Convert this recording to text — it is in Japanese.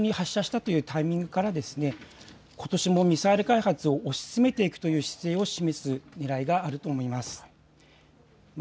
新年早々に発射したというタイミングからことしもミサイル開発を推し進めていくという姿勢を示すねらいがあると思います。